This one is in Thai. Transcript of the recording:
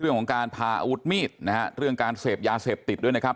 เรื่องของการผ่าอุดมีดนะครับเรื่องการเสพยาเสพติดด้วยนะครับ